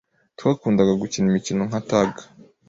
Twakundaga gukina imikino nka tag.